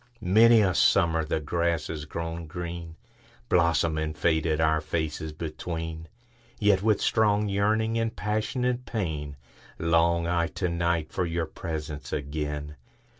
Many a summer the grass has grown green, Blossomed and faded, our faces between:Yet, with strong yearning and passionate pain, Long I to night for your presence again.